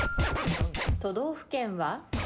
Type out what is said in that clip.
都道府県は？